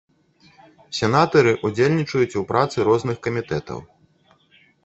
Сенатары ўдзельнічаюць у працы розных камітэтаў.